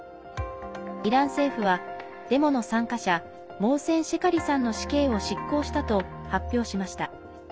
イラン政府は、デモの参加者モウセン・シェカリさんの死刑を執行したと発表しました。